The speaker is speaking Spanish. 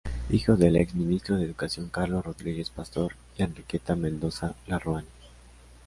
Hijo del ex-ministro de educación Carlos Rodríguez Pastor y Enriqueta Mendoza Larrauri.